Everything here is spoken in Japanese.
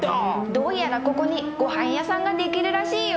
どうやらここに御飯屋さんができるらしいよ。